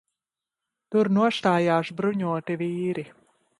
Tur nostājās bruņoti vīri.